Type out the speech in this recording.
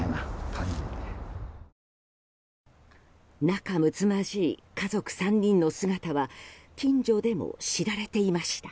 仲むつまじい家族３人の姿は近所でも知られていました。